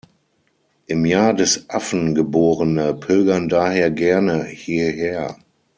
Im Jahr des Affen Geborene pilgern daher gerne hierher.